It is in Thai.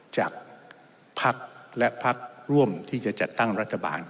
จากภักดิ์และพักร่วมที่จะจัดตั้งรัฐบาล